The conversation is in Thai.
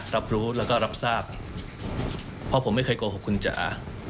รับรู้แล้วก็รับทราบเพราะผมไม่เคยโกหกคุณจ๋า